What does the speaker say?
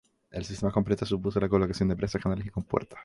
El sistema completo supuso la colocación de presas, canales y compuertas.